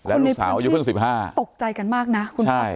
อันนี้รุ่นสาวอยู่เพิ่งสิบห้าตกใจกันมากน่ะคุณครับ